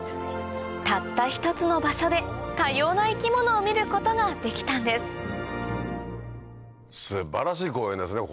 たった一つの場所で多様な生き物を見ることができたんです素晴らしい公園ですね